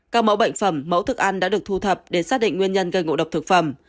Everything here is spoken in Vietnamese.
các mẫu bệnh phẩm mẫu thức ăn đã được thu thập để xác định nguyên nhân gây ngộ độc thực phẩm